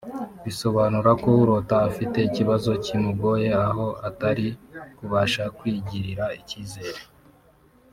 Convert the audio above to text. bisobanura ko urota afite ikibazo kimugoye aho atari kubasha kwigirira icyizere